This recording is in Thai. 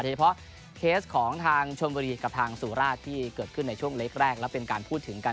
เฉพาะเคสของทางชนบุรีกับทางสุราชที่เกิดขึ้นในช่วงเล็กแรกแล้วเป็นการพูดถึงกัน